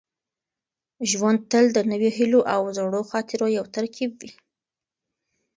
ژوند تل د نویو هیلو او زړو خاطرو یو ترکیب وي.